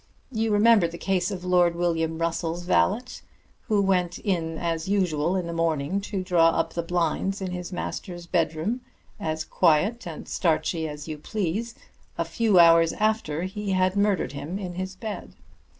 You remember the case of Lord William Russell's valet, who went in as usual in the morning to draw up the blinds in his master's bedroom, as quiet and starchy as you please, a few hours after he had murdered him in his bed.